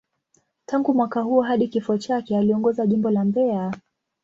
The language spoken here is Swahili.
Tangu mwaka huo hadi kifo chake, aliongoza Jimbo la Mbeya.